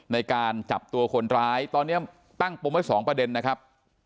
ในการจับตัวคนร้ายตอนนี้ตั้งปมไว้สองประเด็นนะครับ